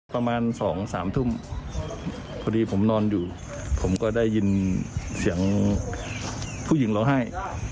ประมาณ๒๓ทุ่มพอดีผมนอนอยู่ผมก็ได้ยินเสียงผู้หญิงร้องไห้